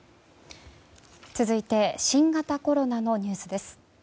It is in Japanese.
続いて新型コロナのニュースです。